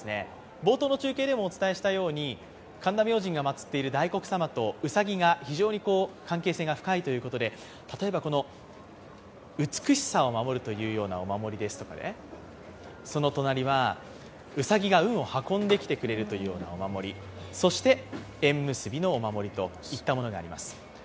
冒頭の中継でもお伝えしましたように、神田明神がまつっている大黒さまとうさぎの関係性が非常に深いということで、例えば美しさを守るというお守りですとか、その隣はうさぎが運を運んできてくれるというようなお守り、そして、縁結びのお守りといったものがあります。